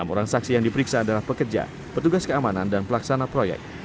enam orang saksi yang diperiksa adalah pekerja petugas keamanan dan pelaksana proyek